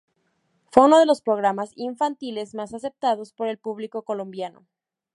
Fue uno de los programas infantiles más aceptados por el público colombiano.